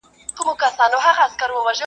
تاریخي خواړه د اور شاوخوا پخېدل.